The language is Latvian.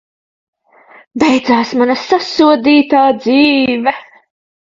Beidzās mana sasodītā dzīve!